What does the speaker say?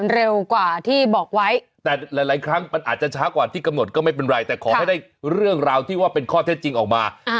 เร็วกว่าที่บอกไว้แต่หลายครั้งมันอาจจะช้ากว่าที่กำหนดก็ไม่เป็นไรแต่ขอให้ได้เรื่องราวที่ว่าเป็นข้อเท็จจริงออกมา